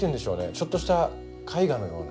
ちょっとした絵画のような。